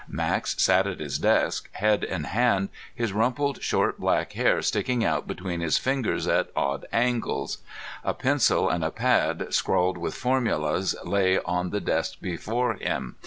Max sat at his desk, head in hand, his rumpled short black hair sticking out between his fingers at odd angles. A pencil and a pad scrawled with formulas lay on the desk before him.